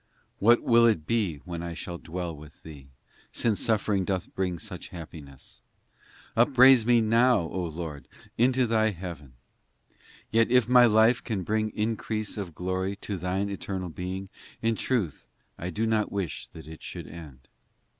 VIII What will it be when I shall dwell with Thee, Since suffering doth bring such happiness ? Upraise me, now, O Lord, into Thy heaven ! IX Yet if my life can bring increase of glory To thine eternal Being, In truth I do not wish that it should end.